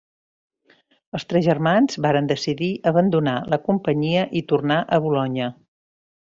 Els tres germans varen decidir abandonar la companyia i tornar a Bolonya.